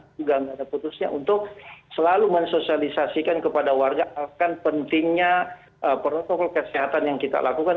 juga nggak ada putusnya untuk selalu mensosialisasikan kepada warga akan pentingnya protokol kesehatan yang kita lakukan